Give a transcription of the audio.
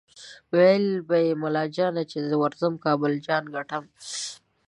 ویل به ملا جان چې زه ورځمه کابل جان ګټم